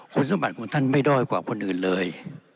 คุณสมบัติของท่านไม่ด้อยกว่าคนอื่นเลย